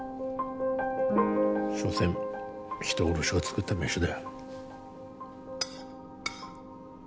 しょせん人殺しが作った飯だよ